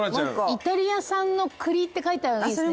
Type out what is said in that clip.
イタリア産の栗って書いてあるのいいですね。